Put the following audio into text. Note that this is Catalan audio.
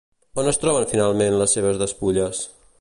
On es troben finalment les seves despulles?